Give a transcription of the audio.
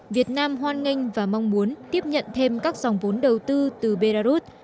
việt nam hoan nghênh và mong muốn tiếp nhận thêm các dòng vốn đầu tư từ belarus